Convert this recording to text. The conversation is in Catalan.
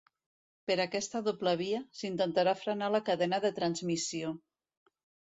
Per aquesta doble via, s'intentarà frenar la cadena de transmissió.